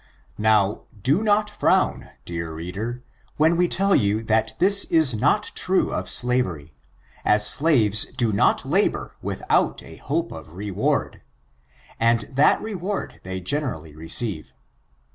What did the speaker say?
Now, do not frown, dear reader, when we tell you that this is not true of slavery, as slaves do not labor without a hope of reward ; and that reward they gen erally receive.